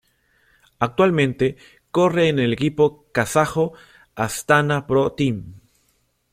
Actualmente corre en el equipo kazajo Astana Pro Team.